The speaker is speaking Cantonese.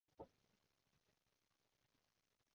咦有新朋友嘅